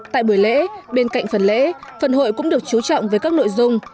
tại buổi lễ bên cạnh phần lễ phần hội cũng được chú trọng với các nội dung